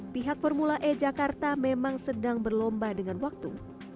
pihak formula e jakarta memang sedang berlomba dengan waktu